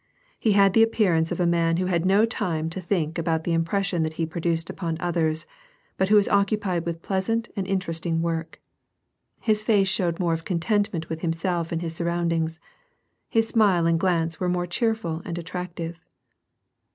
He had the appearance of a man who had no time to think about the impression that he pro duced upon others, but who was occupied with pleasant and interesting work. His face showed more of contentment with himself and his surroundings ; his smile and glance were more cheerful and attractive.